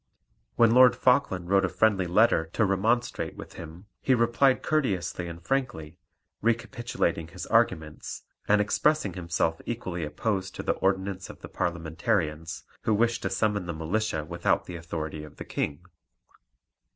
When Lord Falkland wrote a friendly letter to remonstrate with him, he replied courteously and frankly, recapitulating his arguments, and expressing himself equally opposed to the ordinance of the Parliamentarians, who wished to summon the Militia without the authority of the King.